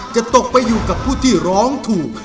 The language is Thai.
จะตกไปอยู่กับผู้ที่ร้องถูก